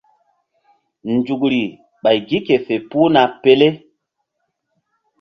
Nzukri ɓay gi ke fe puhna pele.